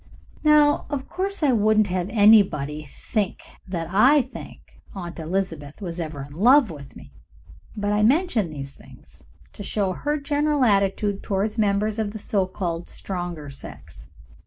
Now, of course, I wouldn't have anybody think that I think Aunt Elizabeth was ever in love with me, but I mention these things to show her general attitude toward members of the so called stronger sex.